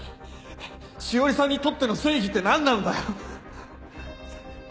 詩織さんにとっての正義って何なんだよ？